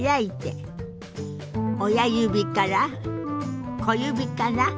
親指から小指から。